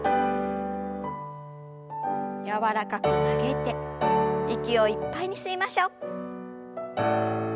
柔らかく曲げて息をいっぱいに吸いましょう。